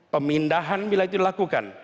pemindahan bila itu dilakukan